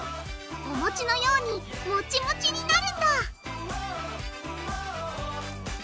おもちのようにモチモチになるんだ！